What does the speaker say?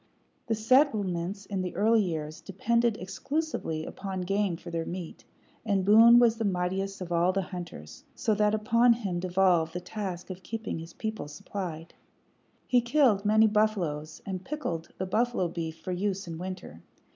The settlements in the early years depended exclusively upon game for their meat, and Boone was the mightiest of all the hunters, so that upon him devolved the task of keeping his people supplied. He killed many buffaloes, and pickled the buffalo beef for use in winter.